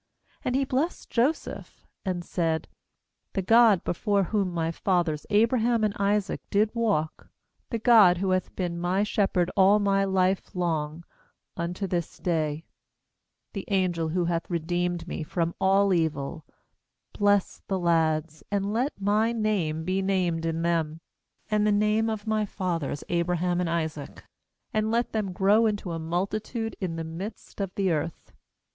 15And he blessed Joseph, and said: 'The God before whom my fathers Abraham and Isaac did walk, the God who hath been my shepherd all my life long unto this day, 16the angel who hath redeemed me from all evil, bless the lads; and let my name be named in them, and the name of my fathers Abraham and Isaac; and let them grow into a multitude in the midst of the earth.'